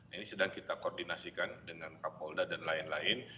ini sedang kita koordinasikan dengan kapolda dan lain lain